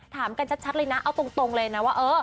ถามกันชัดเลยนะเอาตรงเลยนะว่าเออ